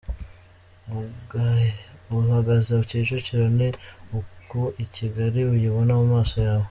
Uhagaze Kicukiro, ni uku Kigali uyibona mu maso yawe.